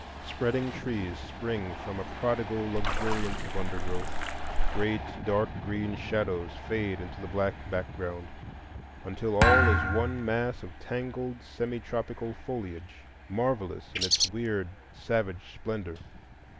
Spreading trees spring from a prodigal luxuriance of undergrowth; great dark green shadows fade into the black background, until all is one mass of tangled semi tropical foliage, marvellous in its weird savage splendor.